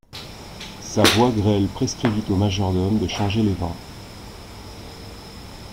Sa voix grêle prescrivit au majordome de changer les vins.